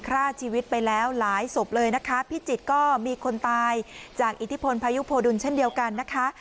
ฆ่าชีวิตไปแล้วหลายศพเลยนะคะพิจิตรก็มีคนตายจากอิทธิพลพายุโพดุลเช่นเดียวกันนะคะ